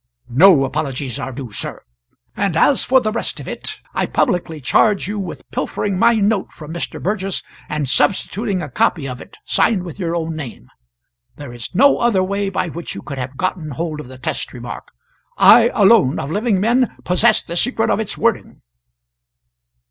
"No apologies are due, sir; and as for the rest of it, I publicly charge you with pilfering my note from Mr. Burgess and substituting a copy of it signed with your own name. There is no other way by which you could have gotten hold of the test remark; I alone, of living men, possessed the secret of its wording."